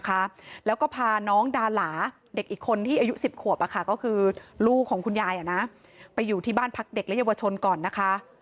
เจ้าหาพูดถึงเองอ่ะเลยอ่ะครับผมเจ้า